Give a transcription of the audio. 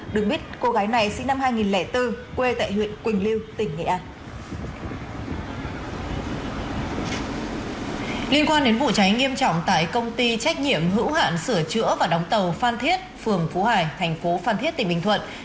được biết cô gái này sinh năm hai nghìn bốn quê tại huyện quỳnh lưu tỉnh nghệ an